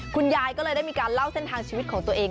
คุณยายก็เลยได้มีการเล่าเส้นทางชีวิตของตัวเอง